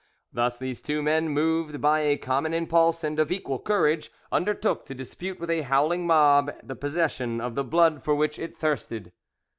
Thus these two men, moved by a common impulse and of equal courage, undertook to dispute with a howling mob the possession of the blood for which it thirsted.